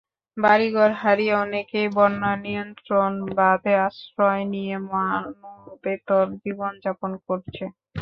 বাড়িঘর হারিয়ে অনেকেই বন্যানিয়ন্ত্রণ বাঁধে আশ্রয় নিয়ে মানবেতর জীবন যাপন করছে।